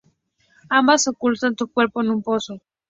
Ambas ocultan su cuerpo en un pozo.